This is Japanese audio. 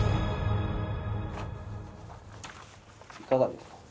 いかがですか？